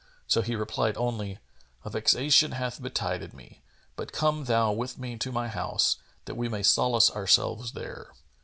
so he replied only, "A vexation hath betided me; but come thou with me to my house, that we may solace ourselves there."